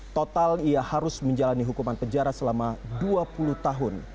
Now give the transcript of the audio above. total ia harus menjalani hukuman penjara selama dua puluh tahun